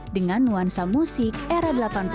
dengan nuansa musik era delapan puluh